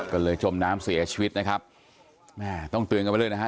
ก็เลยจมน้ำเสียชีวิตนะครับแม่ต้องเตือนกันไว้เลยนะฮะ